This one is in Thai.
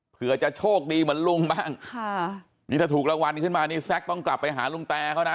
เผื่อจะโชคดีเหมือนลุงบ้างค่ะนี่ถ้าถูกรางวัลขึ้นมานี่แซ็กต้องกลับไปหาลุงแตเขานะ